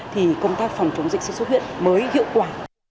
thì công tác phòng chống dịch xây dựng xuất huyết mới hiệu quả